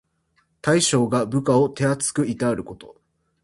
大将が部下を手あつくいたわること。